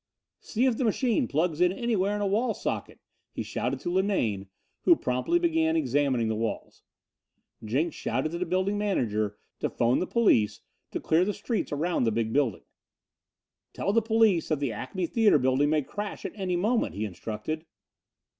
"See if the machine plugs in anywhere in a wall socket!" he shouted to Linane, who promptly began examining the walls. Jenks shouted to the building manager to phone the police to clear the streets around the big building. "Tell the police that the Acme Theater building may crash at any moment," he instructed.